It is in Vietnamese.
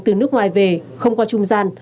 từ nước ngoài về không qua trung gian